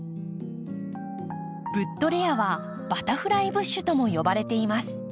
ブッドレアはバタフライブッシュとも呼ばれています。